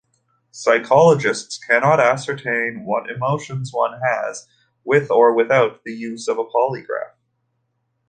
Psychologists cannot ascertain what emotions one has, with or without the use of polygraph.